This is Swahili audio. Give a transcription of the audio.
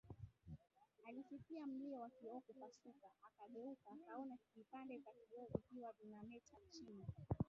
Alisikia mlio wa kioo kupasuka akageuka akaona vipande vya kioo vikiwa vinameta chini